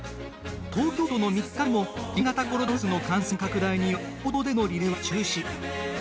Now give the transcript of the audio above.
東京都の３日目も新型コロナウイルスの感染拡大により公道でのリレーは中止。